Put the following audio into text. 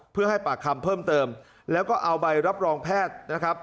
เพื่อให้ปากคำเพิ่มเติมแล้วก็เอาใบรับรองแพทย์นะครับ